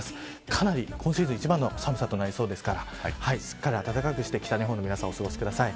かなり、今シーズン一番の寒さとなりそうですからしっかり暖かくして北日本の皆さんお過ごしください。